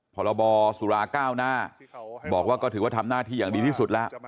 พรบสุราก้าวหน้าบอกว่าก็ถือว่าทำหน้าที่อย่างดีที่สุดแล้ว